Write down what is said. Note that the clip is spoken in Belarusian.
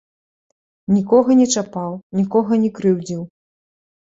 Нікога не чапаў, нікога не крыўдзіў.